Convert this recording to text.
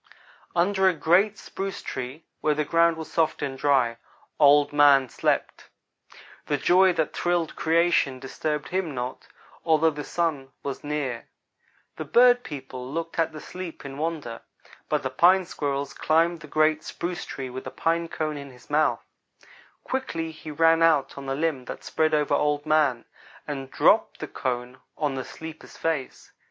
"Under a great spruce tree where the ground was soft and dry, Old man slept. The joy that thrilled creation disturbed him not, although the Sun was near. The bird people looked at the sleeper in wonder, but the Pine squirrel climbed the great spruce tree with a pine cone in his mouth. Quickly he ran out on the limb that spread over Old man, and dropped the cone on the sleeper's face.